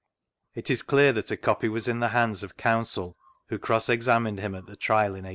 It is clear that a copy was in the hands of Coimsel who cross examined him at the Trial in 1822.